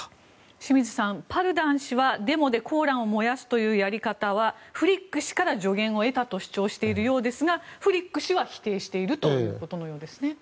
清水さん、パルダン氏はデモでコーランを燃やすというやり方はフリック氏から助言を得たと主張しているようですがフリック氏は否定しているということのようですね。